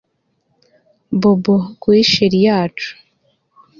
Bob kuri cheri yacu